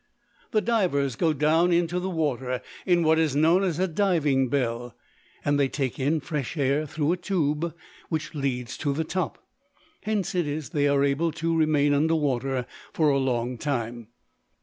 The divers go down into the water in what is known as a diving bell, and they take in fresh air through a tube which leads to the top. Hence it is that they are able to remain under water for a long time.